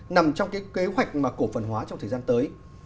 nằm trong cái kế hoạch mà cổ phần hóa trong thời gian tới